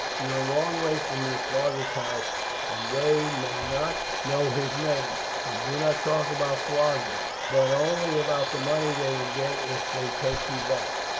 You are a long way from your father's house, and they may not know his name; so do not talk about flogging, but only about the money they will get if they take you back.